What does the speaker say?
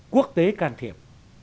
quốc tế can thiệp